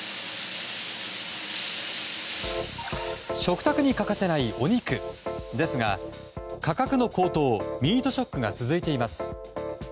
食卓に欠かせないお肉ですが価格の高騰ミートショックが続いています。